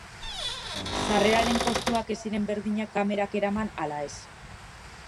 Sarreraren kostuak ez ziren berdinak kamerak eraman ala ez.